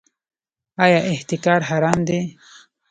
آیا احتکار حرام دی؟